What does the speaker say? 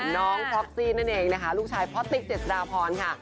น้องท็อปซี่นั่นเองนะคะลูกชายพ่อติ๊กเจษฎาพรค่ะ